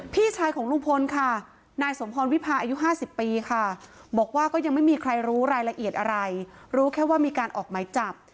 พี่ชายของลุงพลค่ะนายสมพรวิพาอายุ๕๐ปีค่ะบอกว่าก็ยังไม่มีใครรู้รายละเอียดอะไรรู้แค่ว่ามีการออกไหมจับ